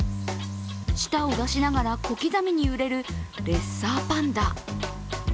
舌を出しながら小刻みに揺れるレッサーパンダ。